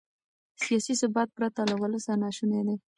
سیاسي ثبات پرته له ولسه ناشونی دی.